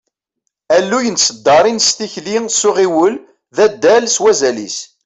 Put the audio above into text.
Alluy n tseddaṛin s tikli s uɣiwel, d addal s wazal-is.